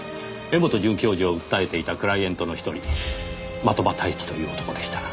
柄本准教授を訴えていたクライエントの１人的場太一という男でした。